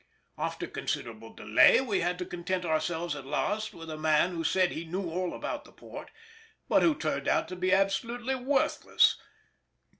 After considerable delay we had to content ourselves at last with a man who said he knew all about the port, but who turned out to be absolutely worthless.